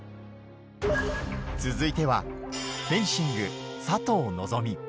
続いては、フェンシング、佐藤希望。